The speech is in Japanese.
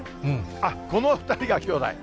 この２人がきょうだい？